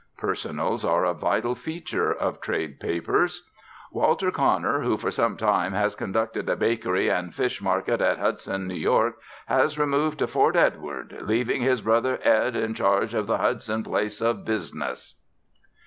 "Personals" are a vital feature of trade papers. "Walter Conner, who for some time has conducted a bakery and fish market at Hudson, N.Y., has removed to Fort Edward, leaving his brother Ed in charge at the Hudson place of business."